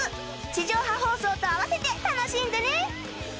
地上波放送と併せて楽しんでね！